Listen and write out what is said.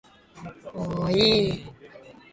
おおおいいいいいい